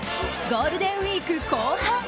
ゴールデンウィーク後半。